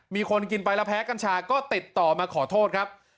มีคนกินไปแล้วแพ้กัญชาก็ติดต่อมาขอโทษครับ